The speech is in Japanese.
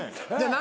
何？